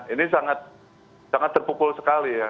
ini sangat terpukul sekali ya